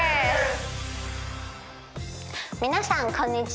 皆さんこんにちは。